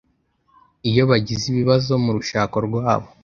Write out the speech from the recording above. iyo bagize ibibazo mu rushako rwabo